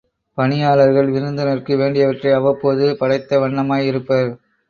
பணியாளர்கள் விருந்தினர்க்கு வேண்டியவற்றை அவ்வப்போது படைத்த வண்ணமாய் இருப்பர்.